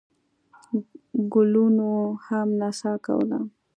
ګلونو هم نڅا کوله.